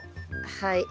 はい。